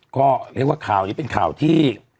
ก็เรียกว่าข่าวนี้เป็นข่าวที่